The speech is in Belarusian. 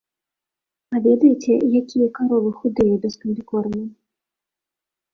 А ведаеце, якія каровы худыя без камбікорму!